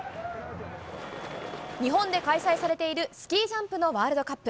日本で開催されているスキージャンプのワールドカップ。